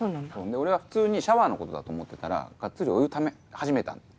俺は普通にシャワーのことだと思ってたらガッツリお湯ため始めた。